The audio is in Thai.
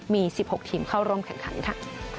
มี๑๖ทีมเข้าร่วมแข่งขันค่ะ